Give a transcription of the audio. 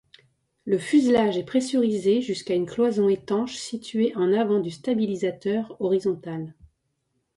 Le fuselage est pressurisé jusqu'à une cloison étanche située en avant du stabilisateur horizontal.